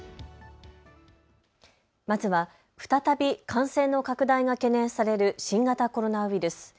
まずは再び感染の拡大が懸念される新型コロナウイルス。